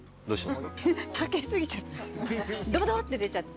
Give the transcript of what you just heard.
ドボドボって出ちゃって。